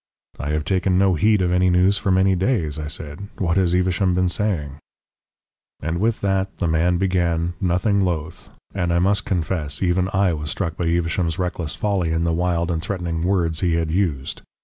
"'I have taken no heed of any news for many days,' I said. 'What has Evesham been saying?' "And with that the man began, nothing loath, and I must confess even I was struck by Evesham's reckless folly in the wild and threatening words he had used.